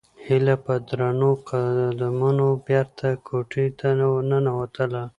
هیله په درنو قدمونو بېرته کوټې ته ننووتله.